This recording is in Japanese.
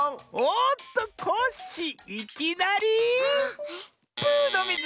おっとコッシーいきなりブーのミズ！